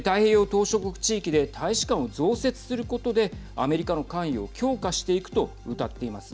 島しょ国地域で大使館を増設することでアメリカの関与を強化していくとうたっています。